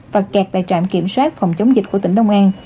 và kẹt tại trạm kiểm soát phòng chống dịch của tỉnh đông an